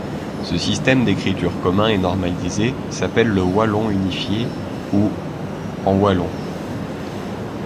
Ce système d'écriture commun et normalisé s'appelle le wallon unifié ou ' en wallon.